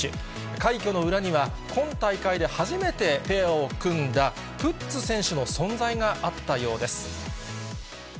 快挙の裏には、今大会で初めてペアを組んだプッツ選手の存在があったようです。